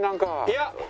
いや。